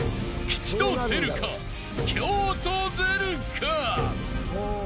吉と出るか凶と出るか！？］